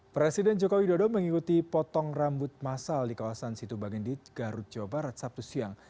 presiden jokowi dodo mengikuti potong rambut masal di kawasan situ bagendit garut jawa barat sabtu siang